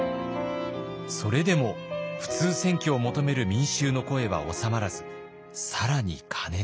それでも普通選挙を求める民衆の声は収まらず更に過熱。